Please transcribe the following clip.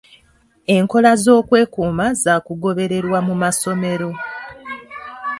Enkola z'okwekuuma za kugobererwa mu masomero.